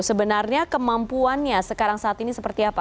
sebenarnya kemampuannya sekarang saat ini seperti apa